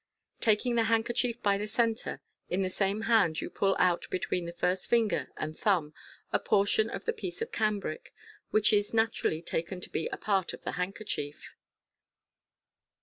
Taking the handkerchief by the centre, in the same hand, you pull out between the first finger and thumb a portion of the piece of cambric, which is naturally taken to be a part of the handkerchief.